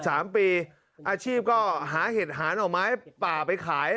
อาชีพก็หาเห็ดหานออกมาให้ป่าไปขาย